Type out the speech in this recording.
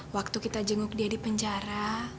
waktu kita jenguk dia di penjara